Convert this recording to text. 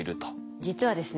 実はですね